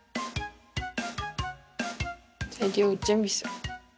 材料を準備する。